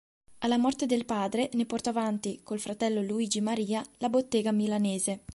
Alla morte del padre ne portò avanti, col fratello Luigi Maria, la bottega milanese.